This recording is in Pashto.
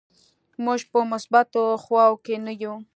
موږ په مثبتو خواو کې نه یو.